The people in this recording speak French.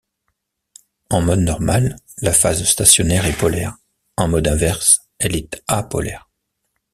En mode normal la phase stationnaire est polaire, en mode inverse elle est apolaire.